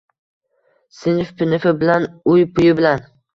“Sinf-pinifi bilan, uy-puyi bilan…”